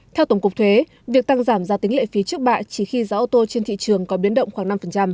theo tổng cục thuế việc tăng giảm giá tính lệ phí trước bạ chỉ khi giá ô tô trên thị trường có biến động khoảng năm